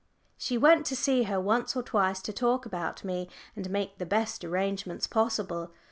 She went to see her once or twice to talk about me, and make the best arrangements possible.